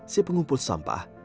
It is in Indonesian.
si pengumpul sampah